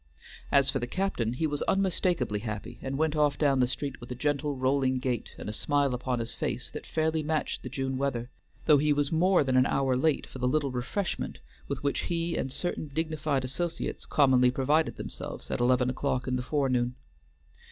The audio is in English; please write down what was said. As for the captain, he was unmistakably happy, and went off down the street with a gentle, rolling gait, and a smile upon his face that fairly matched the June weather, though he was more than an hour late for the little refreshment with which he and certain dignified associates commonly provided themselves at eleven o'clock in the forenoon.